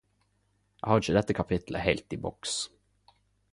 Eg har ikkje dette kapitlet heilt i boks.